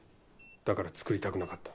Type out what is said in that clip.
だから作りたくなかった。